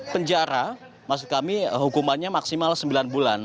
penjara maksud kami hukumannya maksimal sembilan bulan